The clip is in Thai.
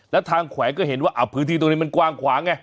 แล้วทางแขวงก็เห็นว่าพื้นที่ตรงนี้มันกว้างขวางไง